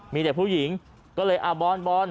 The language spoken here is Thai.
มีแต่ผู้หญิงก็เลยบอล